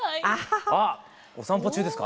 あっお散歩中ですか？